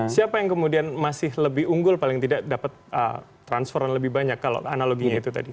siapa yang kemudian masih lebih unggul paling tidak dapat transferan lebih banyak kalau analoginya itu tadi